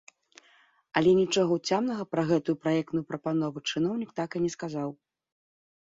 Але нічога ўцямнага пра гэтую праектную прапанову чыноўнік так і не сказаў.